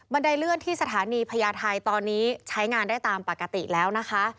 ไดเลื่อนที่สถานีพญาไทยตอนนี้ใช้งานได้ตามปกติแล้วนะคะ